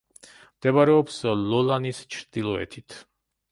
მდებარეობს ლოლანის ჩრდილოეთით.